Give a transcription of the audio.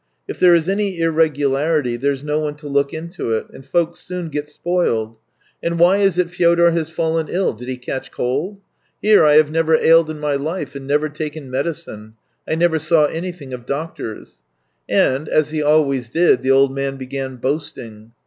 If there is any irregularity there's no one to look into it; and folks soon get spoiled. And why is it Fyodor has fallen ill ? Did he catch cold ? Here I have never ailed in my life and never taken medicine. I never saw anything of doctors." And, as he always did, the old man began boasting.